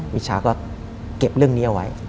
วิชาก็เก็บเรื่องนี้เอาไว้